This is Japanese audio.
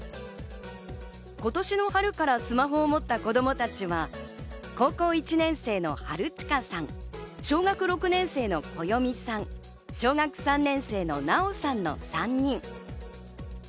今年の春からスマホを持った子供たちは、高校一年生の春悠さん、小学６年生のこよみさん、小学３年生のなおさんの３人。